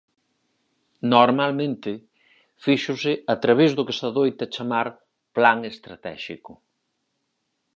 Normalmente fíxose a través do que se adoita chamar "Plan Estratéxico".